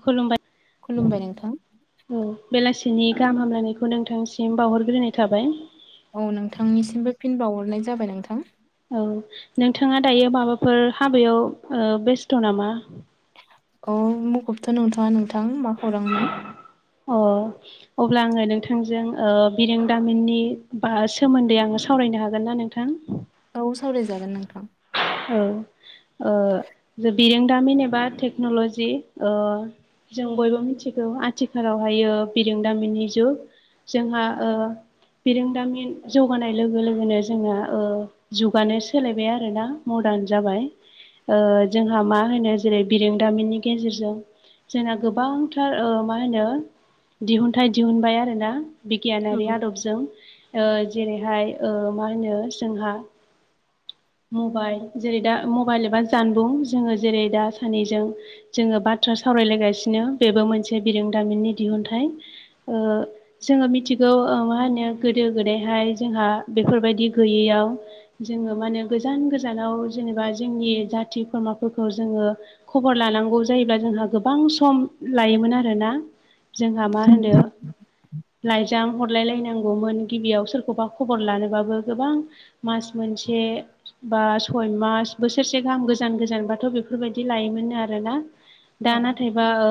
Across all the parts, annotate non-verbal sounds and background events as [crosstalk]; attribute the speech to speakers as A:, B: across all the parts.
A: खुलुमबाय औ बेलासिनि गाहाम हामलायनायखौ नोंथांसिम बावहरग्रोनाय थाबाय।
B: औ नोंथांनिसिमबो फिन बावहरनाय जाबाय नोंथां।
A: औ नोंथाङा दायो माबाफोर हाबायाव ओ बेस्थ' नामा?
B: अ मुखुबथ' नोंथ'आ नोंथां मा खौरांमोन?
A: अ अब्ला आङो नोंथांजों ओ बिरोंदामिननि बा सोमोन्दै आङो सावरायनो हागोन ना नों थां?
B: औ सावरायजागोन नोंथां।
A: औ ओ जे बिरोंदामिन एबा टेक्न'ल'जि ओ जों बयबो मिथिगौ आथिखालावहायो बिरोंदामिननि जुग। जोंहा ओ बिरोंदामिन जौगानाय लोगो लोगोनो जोंङा ओ जुगानो सोलायबाय आरोना मदार्न जाबाय। ओ जोंहा मा होनो जेरै बिरोंदामिननि गेजेरजों। जोंना गोबांथार ओ मा होनो दिहुनथाइ दिहुनबाय आरोना। बिगियानारि आदबजों जेरैहाय मा होनो जोंहा। मबाइल जेरै दा मबाइल एबा जानबुं जोङो जेरै दा सानैजों जोङो बाथ्रा सावरायलायगासिनो बेबो मोनसे बिरोंदामिननि दिहुनथाइ। ओ जोङो मिथिगौ ओ मा होनो गोदो गोदायहाय जोंहा बेफोरबायदि गैयैयाव जोङो माने गोजान गोजानाव जेनेबा जोंनि जाथि खुरमाफोरखौ जोङो खबर लानांगौ जायोब्ला जोंहा गोबां सम लायोमोन आरोना। जोंहा मा होनो लाइजाम हरलायलायनांगौमोन गिबियाव सोरखौबा खबर लानोबाबो गोबां। मास मोनसे। बा सय मास बोसोरसे गाहाम गोजान गोजानबाथ' बेफोरबायदि लायोमोनो आरोना। दा नाथायबा ओ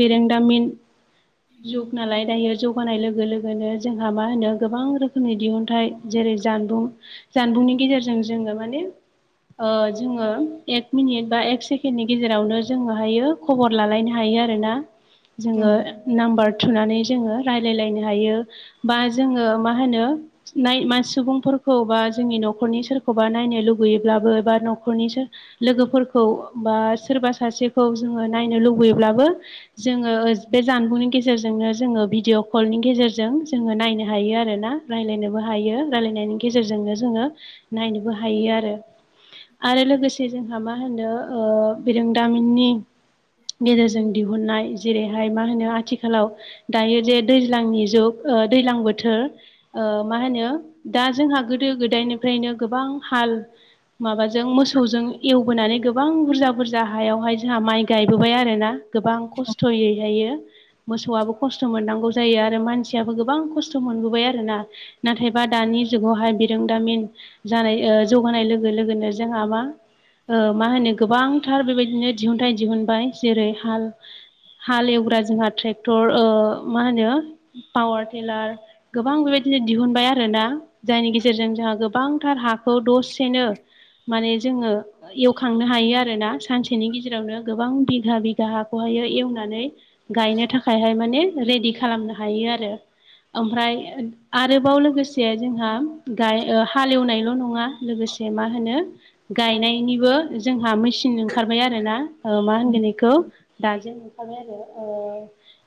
A: बिरेंदामिन जुग नालाय दायो जौ गनाय लोगो लोगोनो जोंहा मा होनो गोबां रोखोमनि दिहुुनथाइ जेरै जानबुं। जानबुंनि गेजेरजों जोङो माने। ओ जोङो एक मिनिट बा एक सेकेणडनि गेजेरावनो जोङोहायो खबर लालायनो हायो आरोना जोङो नाम्बार थुनानै जोङो रायज्लायलायनो हायो। बा जोङो मा होनो नाय मा सुबुंफोरखौ बा जोंनि न'खरनि सोरखौबा नायनो लुगैयोब्लाबो बा न'खरनि सोर लोगोफोरखौ बा सोरबा सासेखौ जोङो नायनो लुबैयोब्लाबो जोङो बे जानबुंनि गेजेरजोंनो जोङो भिडिअ' कलनि गेजेरजों जोङो नायनो हायो आरोना। रायलायनोबो हायो रायलायनायनि गेजेरजोंनो जोङो नायनोबो हायो आरो। आरो लोगोसे जों मा होनो ओ बिरोंदामिननि गेजेरजों दिहुननाय जेरैहाय मा होनो आथिखालाव दायो जे दैज्लांनि जुग ओ दैज्लां बोथोर ओ मा होनो दा जोंहा गोदो गोदायनिफ्रायनो गोबां हाल माबाजों मोसौजों एवबोनानै गोबां बुरजा बुरजा हायावहाय जोंहा माइ गायबोबाय आरो ना। गोबां खस्थ'यैहायो। मोसौआबो खस्थ' मोननांगौ जायो आरो मानसियाबो गोबां खस्थ' मोनबोबाय आरोना। नाथायबा दानि जुगावहाय बे रोंदामिन जानाय ओ जौगानाय लोगो लोगोनो जोंहा मा मा होनो गोबांथार बेबायदिनो दिहुनथाइ दिहुनबाय जेरै हाल हाल एवग्रा जोंहा ट्रेक्टर ओ मा होनो पावार टिलार गोबां बेबायदिनो दिहुनबाय आरोना जायनि गेजेरजों जोंहा गोबांथार हाखौ दसेनो माने जोङो एवखांनो हायो आरोना सानसेनि गेजेरावनो गोबां बिघा बिघा हाखौहायो एवनानै गायनो थाखायहाय माने रेडि खालामनो हायो आरो। ओमफ्राय आरोबाव लोगोसे जोंहा। गाय ओ हालेवनायल' नङा लोगोसे। मा होनो गायनायनिबो जोंहा मेसिन ओंखारबाय आरोना। ओ मा होनगोन बेखौ दागेन नुखाबाय आरो। ओ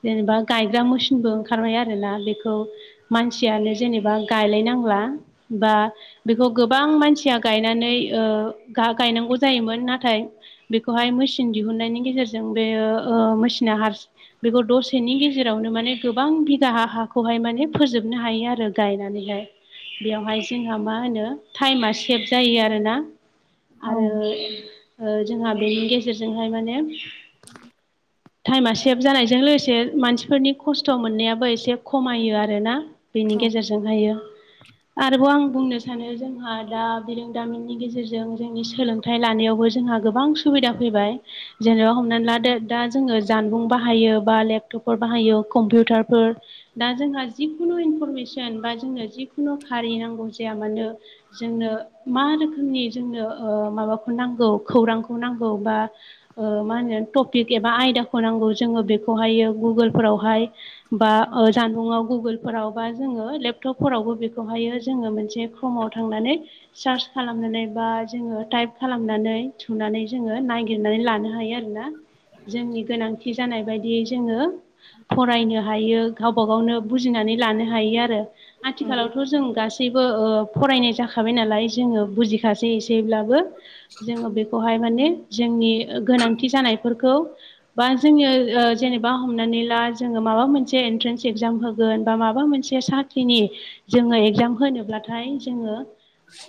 A: जेनेबा गायग्रा मोसिनबो ओंखारबाय आरोना बेखौ मानसियानो जेनेबा गायलायनांला। बेखौ गोबां मानसिया गायनानै ओ गा-गायनांगौ जायोमोन नाथाय बेखौहाय मेसिन दिहुननायनि गेजेरजों बेयो ओ मेसिना हार बेखौ दसेनि गेजेरावनो माने गोबां बिगा हा हाखौहाय माने फोजोबनो हायो आरो गायनानैहाय। बेवहाय जोंहा मा होनो टाइमा सेभ जायो आरोना। आरो जोंहा बेनि गेजेरजोंहाय माने टाइमा सेभ जानायजों लोगोसे मानसिफोरनि खस्थ' मोननायाबो एसे खमायो आरो ना। बेनि गेजेरजोंहायो आरोबाव आं बुंनो सानो जोंहा दा बिरोंदामिननि गेजेरजों जोंनि सोलों थाय लानायावबो जोंहा गोबां सुबिदा फैबाय जेनेबा हमनानै ला दा- दा जोङो जानबुं बाहायो बा लेपटपफोर बाहायो कम्पिउटारफोर दा जोंहा जिखुनु इनफरमेसन बा जोंनो जिखुनु खारि नांगौ जाया मानो जोंनो मा रोखोमनि जोंनो माबाखौ नांगौ खौरांखौ नांगौ बा मा होनो टपिक एबा आयदाखौ नांगौ जोङो बेखौहायो गुगोलफोरावहाय बा जानबुंाव गुगोलफोराव बा जोङो लेपटपफोरावबो बेखौहायो जोङो मोनसे फुङाव थांनानै सार्च खालामनानै बा जोङो टाइप खालामनानै थुनानै जोङो नागिरनानै लानो हायो आरोना जोंनि गोनांथि जानाय बायदियै जोङो फरायनो हायो गावबा गावनो बुजिनानै लानो हायो आरो आथिखालावथ' जों गासैबो गासैबो फरायनाय जाखाबाय नालाय जोङो बुजिखासै एसेब्लाबो जोङो बेखौहाय माने जोंनि गोनांथि जानायफोरखौ बा जोङो जेनेबा हमनानै ला जोङो माबा मोनसे एन्ट्रेन्स एगजाम होगोन बा माबा मोनसे से साथिनि जोङो एगजाम होनोब्लाथाय जोङो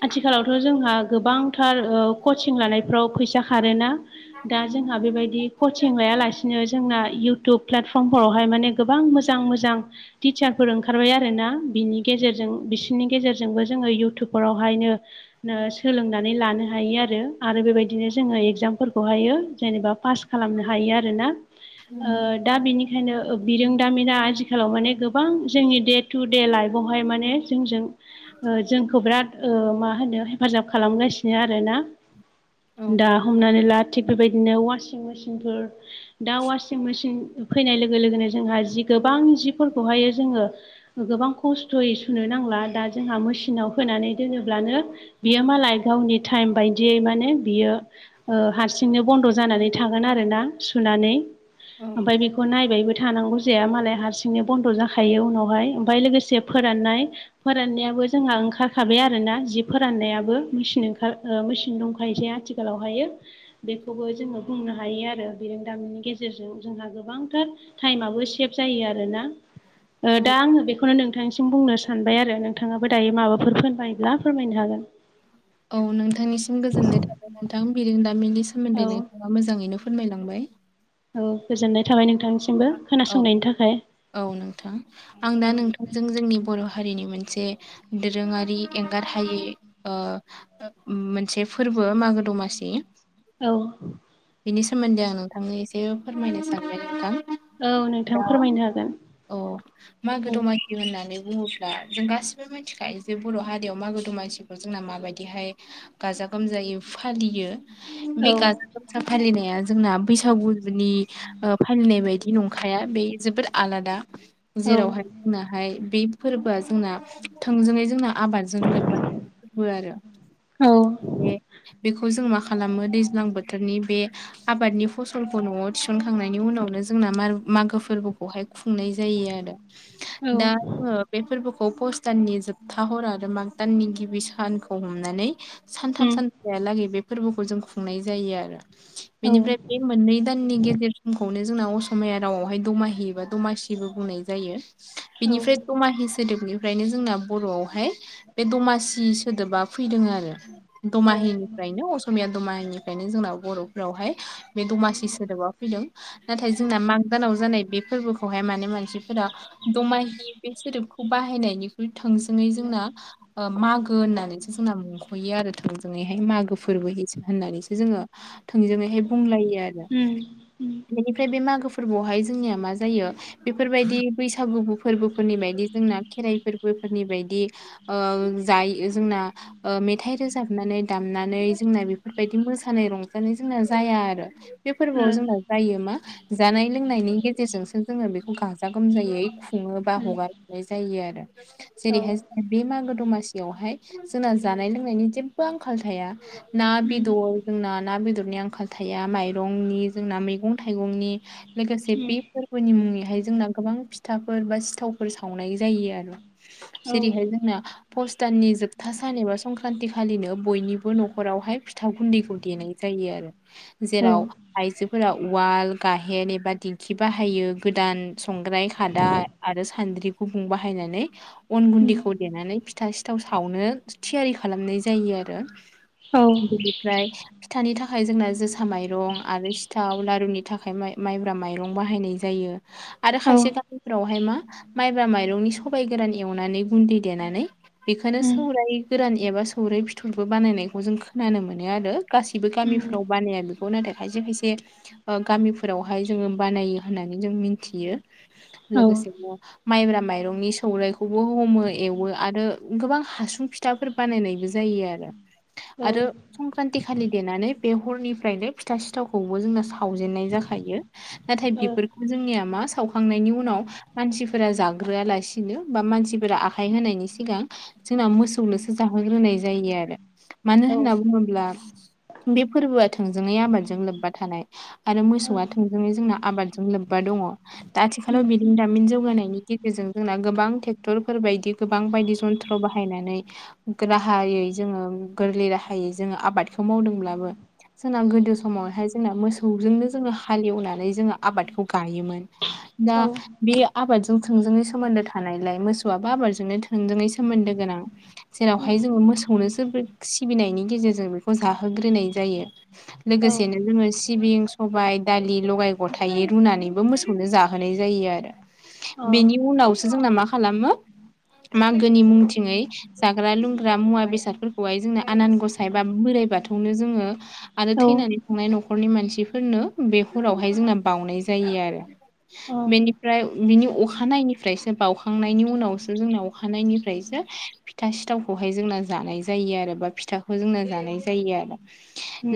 A: आथिखालावथ' जोंहा गोबांथार कचिं लानायफ्राव फैसा खारोना दा जोंहा बेबायदि कचिं लायालासिनो जों जोंना इउटुब प्लेटफर्मफोरावहाय माने गोबां मोजां मोजां टिचारफोर ओंखारबाय आरोना बिनि गेजेरजों बिसोरनि गेजेरजोंबो जोङो इउटुबफोरावहायनो सोलोंनानै लानो हायो आरो आरो बेबायदिनो जोङो एगजामफोरखौहायो जेनेबा पास खालामनो हायो आर ना दा बिनिखायनो बिरोंदामिना आथिखालाव माने गोबां जोंनि डेट टु दे लाइफआवहाय माने जोंजों जोंखौ बिराद मा होनो हेफाजाब खालामगासिनो आरोना दा हमनानै ला थिग बेबायदिनो वासिं मेसिनफोर दा वासिं मेसिन फैनाय लोगो लोगोनो जोंहा जि गोबां जिफोरखौहाय जोङो गोबां खस्थ'यै सुनो नांला दा जोंहा मेसिनाव होनानै दोनोब्लानो बियो मालाय गावनि टाइम बायदियै माने बियो हारसिंनो बन्द' जानानै थागोन आरोना सुनानै ओमफ्राय बेखौ नायबायबो थानांगौ फुजाया मालाय हारसिंनो बन्द' जाखायो उनावहाय ओमफ्राय लोगोसे फोराननाय फोराननायाबो जोंहा ओंखारखाबाय आरोना जि फोराननायाबो मेसिन ओंखार मेसिन दंखायोसै आथिखाल आथि गोालाव हायो बेखौबो जोङो बुंनो हायो आरो बिरोंदामिनि गेजेरजों जोंहा गोबां थटाइमाबबो सेभ जायो आरोना दा आङो बेखौनो नोंथांनिसिम बुंनो सानबाय आरो नों नों थाङाबो दायो माबाफोर फोनबायायोब्ला फोरमायनो हागोन
B: औ नोंथांनिसिम गोजोननाय थाबाय नोंथां बिरोंदामिलनि सोमोन्दै नोंथाङा मोजाङैनो फोरमायलांबाय
A: औ गोजोननाय थाबाय नोंथां
B: औ औ नोंथां आं दा नोंथांजों जोंनि बर' हारिनि मोन मोनसे दोरोङारि एंगार हायै मोनसे फोरबो मागो दमासि
A: औ
B: बिनि सोमोन्दै आं नोंथांनो एसे फोरमायनो सानबायदों द औ मागो दमा होननानै बुङोब्ला जों गासिबो मिथिखायो जे बर' हारियाव मागो दं मानसिखौ जोंना माबायदिहाय गाजा गोमजायै फालियो बे फसा फालिनाया जोंना बैसागुनि फालिनाय बायदि नंखाया बे जोबोद आलादा जेरावहाय जोंनाहाय बे फोरबोआ जोंना थोंजोङै जोंना आबादजों लोब्बा फोरबो आरो बे बेखौ जों मा खालाम खालामो दैज्लां बोथोरनि बे आबादनि फसलखौ न'आव थिसनखांनायनि उनावनो जोंना मागो फोरबो खुंनाय जायो आरो दा जोंङो बे फोर्बोखौ दाननि जोबथा हर आरो माग दाननि गिबि सानखौ हमनानै सानथाम सानथहालागै बे फोरबोखौ जों खुंनाय जायो आरो बेनिफ्राय बे मोननै दाननि गेजेरसिखौ नो जोंना असमिया रावावहाय दमाहि एबा दमासिबो बुंनाय जायो। बेनिफ्राय दमाहि सोदोबनिफ्रायनो जोंना बर'आवहाय बे दमासि सोदोबा फैदों आरो दमाहिनिफ्रायनो असमिया दमाहि बेनो जोंनाव बर'फोरावहाय बे दमासि सोदोबा फैदों नाथाय जोंना मा दानाव जानाय बे फोरबोखौहाय माने मानसिफोरा दमाहि बे सोदोबखौ बाहायनायनि थोंजोङै जोंना मागो होननानैसो जोंना मुंख'यो आरो थों मागो फोरबो होननानैसो जोंङो थोंजोंयैहाय बुंलायो आरो बेनिफ्राय बे मागो फोरबोआवहाय जोंनिया मा जायो बेफोरबायदि बैसागु फोरबोफोरनि बायदि जोंना खेराइ फोरबोफोरनि बायदि ओ जायो जोंना ओ मेथाइ रोजाबनानै दामनानै जोंना बेफोरबायदि मोजां साननै रंजानाय जोंना जाया आरो बे फोरबोआव जोंना जायो मा जानाय लोंनायनि गेजेरजोंसो जोंङो बेखौ गाजा गोमजायै खुङो बा हगारनाय जायो आरो जेरैहाय बे मागो दमासियावहाय जोंना जानाय लोंनायनि जेबो आंखाल थाया ना बेदर जोंना ना बेदरनि आंखाल थाया माइरंनि जोंना मैगं थाइगंनि लोगोसे बे फोरबोनि मुङैहाय जोंना गोबां फिथाफोर बा सिथावफोर सावनाय जायो आरो
A: औ
B: जोंना पसदाननि जोबथा सान एबा संक्रान्ति खालिनो बयनिबो न'खरावहाय फिथा गुन्दैखौ देनाय जायो आरो जेराव आइजोफोरा उवाल गाहेन एबा दिंखि बाहायो गोदान संग्राय खादा आरो सान्द्रि गुबुं बाहायनानै अन गुन्दैखौ देनानै फिथा सिथाव सावनो थियारि खालामनाय जायो आरो [unintelligible] फिथानि थाखाय जोंना जोसा माइरं आरो सिथाव लारुनि थाखाय माइब्रा माइरं बाहायनाय जायो। आरो खायसे गामिफोरावहाय मा माइब्रा माइरंनि सबाइ गोरान एवनानै गुन्दै देनानै बेखायनो सौराय गोरान एबा सौराइ बिथिरबो बानायनायखौ जों खोनानो मोनो आरो गासै बो गामिफ्राव बानाया बेखौ नाथाय खायसे खायसे गामि फोरावहाय जोंङो बानायो होननानै जों मिथियो लोगोसे माइब्रा माइरंनि सौराइखौबो हमो एवो आरो गोबां हासुं फिथाफोर बानायनायबो जायो आरो आरो संख्रानथि खालि देनानै बे हरनिफ्रायनो फिथा सिथावखौबो जोंङो सावजेनन्नाय जाखायो नाथाय बेफोरखौ जोंनिया मा सावखांनायनि उनाव मानसिफोरा जाग्रोआलासिनो बा मानसिफोरा आखाय होनायनि सिगां जोंना मोसौनोसो जाहोग्रोनाय जायो आरो मानो होनना बुंङोब्ला बे फोर्बोआ थोंजोङै आबादजों लोब्बा थानाय आरो मोसौआ थोंजोङै जोंना आबादजों लोब्बा दङ। दा आथिखालाव बिरों दामिन जौगानायनि गेजेरजों जोंना गोबां ट्रेक्टरफोर बायदि गोबां बायदि जन्थ्र बाहायनानै राहायै जोंङो गोरलै राहायै जोंङो आबाद खौ मावदोंब्लाबो जोंना गोदो समावहाय जोंना मोसौजोंनो जोंङो हालेवनानै जोङो आबादखौ गायोमोन। दा बे आबादजों जों थोंजोङै सोमोन्दो थानायलाय मोसौआबो आबादजोंनो थोंजोङै सोमोन्दो गोनां जेरावहाय जोंङो मोसौनो जोरबो सिबिनायनि गेजेरजों जाहोग्रोनाय जायो लोगोसेनो जोंङो सिबिं सबाय दालि लगाय गथायै रुनानैबो मोसौनो जाहोनाय जायो आरो बेनि उनावसो जोंना मा खालामो मागोनि मुंथिङै जाग्रा लोंग्रा मुवा बेसादफोरखौहाय जोंना आनान गसायबा बोराय बाथौनो जोङो आरो थैनानै थांनाय न'खरनि मानसि फोरनो बे हरावहाय जोंना बाउनाय जायो आरो बेनिफ्राय बिनि अखानायनिफ्रायसो बावखांनायनि उनावसो जोंना अखानायनिफ्रायसो फिथा सिथावखौहाय जोंना जानाय जायो आरो बा फिथाखौ जोंना जानाय जायो आरो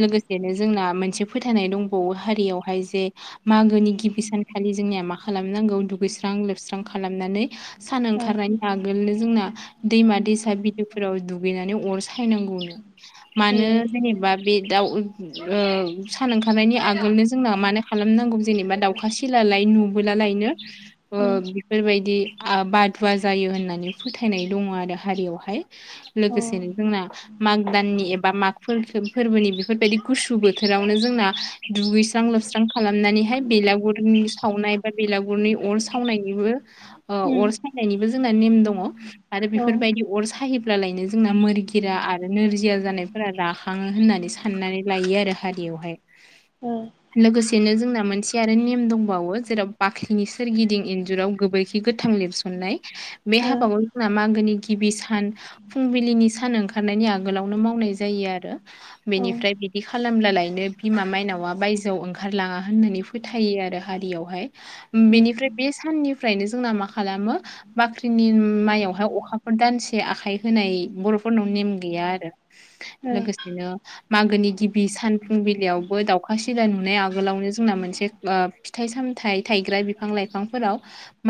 B: लोगोसेनो जोंना मोनसे फोथायनाय दंबावो हारियावहाय जे मागोनि गिबि सानखालि जोंनिया मा खालामनांगौ दुगैस्रां लोबस्रां खालामनानै सान ओंखारनायनि आ आगोल जोंना दैमा दैसा बिलोफोराव दुगैनानै अर सायनांगौनो मानो जेनेबा बे दाउ ओ सान ओंखारनायनि आगोलनो जोंना मानो खालामनांगौ जेनेबा दाउ सिलालाय नुबोला लायनो ओ बेफोरबायदि बादुवा जायो होननानै फोथायनाय दङ आरो हारियावहाय। लोगोसेनो जोंना मा दाननि एबा माग फोरबोनि बेफोरबायदि गुसु बोथोरावनो जोंना दुगैस्रां लोबस्रां खालामनानैहाय बेलागुरनि सावनाय बा बेलागुरनि अर सावनायनिबो औ अर सायनायनिबो जोंना नेम दङ आरो बेफोरबायदि अर सायि अब्लालायनो जोंना मोरगिरा आरो नोरजिया जानायफोरा राखाङो होननानै साननानै लायो आरो हारियावहाय। लोगोसेनो जोंना मोनसे आरो नेम दंबावो जेराव बाख्रिनि सोरगिदिं इन्जुराव गोबोरखि गोथां लिरस्रांनाय मोननाय बे हाबाखौ जोंना मागोनि गिबि सान फुंबिलिनि सान ओं ओंखारनायनि आगोलावनो मावनाय जायो आरो बेनिफ्राय बिदि खालामब्ला लायनो बिमा माइनावा बायजोआव ओंखारलाङा होननानै फोथायो आरो हारियावहाय। बेनिफ्राय बे साननिफ्रायनो जोंना मा खालामो। बाख्रिनि माइयावहाय अखाफोर दानसे आखाइ होनाय बर'फोरनाव नेम गैया आरो लोगोसेनो मागोनि गिबि सान फुं बिलाइयावबो दाउखा सिला नुनाय आगोलावनो जोंना मोनसे ओ फिथाइ सामथाइ थायग्रा बिफां लाइफांफोराव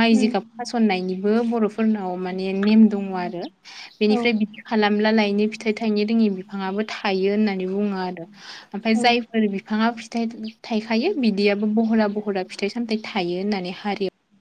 B: माइ जिगाब खासननायनिबो बर'फोरनाव माने नेम दङ आरो। बेनिफ्राय बिदि खालामब्ला लायनो फिथाइ थायनो रोङि बिफाङाबो थायो होननानै बुङो आरो। ओमफाय जायफोर बिफाङा फिथाइ थायखायो बिदियाबो बहरा बहरा फिथाइ सामथाय थायो होननानै हारि